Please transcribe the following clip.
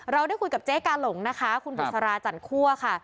เราได้คุยกับเจ๊กาหลงนะคะคุณบุษราจันคั่วค่ะ